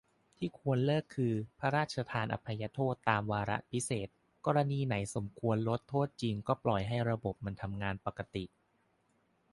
ที่ควรเลิกคือ พระราชทานอภัยโทษตามวาระพิเศษ กรณีไหนสมควรลดโทษจริงก็ปล่อยให้ระบบมันทำงานปกติ